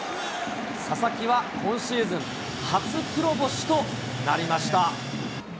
佐々木は今シーズン初黒星となりました。